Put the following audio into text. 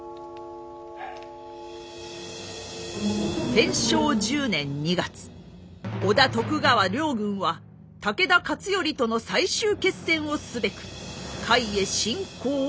天正１０年２月織田徳川両軍は武田勝頼との最終決戦をすべく甲斐へ侵攻を開始。